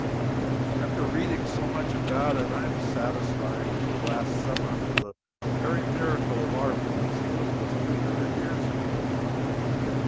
After reading so much about it, I am satisfied that the Last Supper was a very miracle of art once. But it was three hundred years ago.